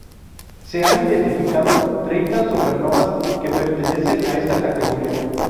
Se han identificado treinta supernovas que pertenecen a esta categoría.